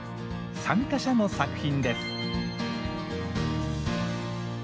参加者の作品です。